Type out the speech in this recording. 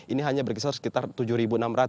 ini hanya berkisar sekitar rp tujuh enam ratus